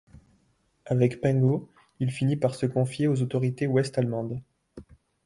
Avec Pengo, il finit par se confier aux autorités ouest allemandes.